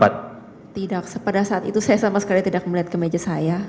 tidak pada saat itu saya sama sekali tidak melihat ke meja saya